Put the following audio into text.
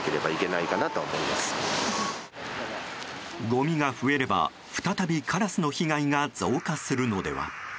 ごみが増えれば、再びカラスの被害が増加するのでは。